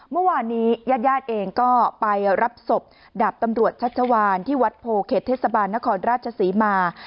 เมื่อวานนี้ญาติญาติเองก็ไปรับศพดาบตำรวจชัชวานที่วัดโพเขตเทศบาลนครราชศรีมา